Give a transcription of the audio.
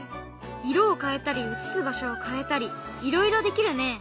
色を変えたり映す場所を変えたりいろいろできるね！